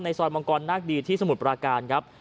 ซอยมังกรนักดีที่สมุทรปราการครับ